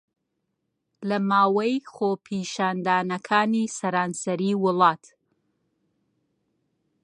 لە ماوەی خۆپیشاندانەکانی سەرانسەری وڵات